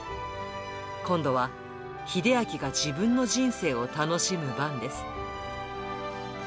今度は、秀明が自分の人生を楽しむ番です。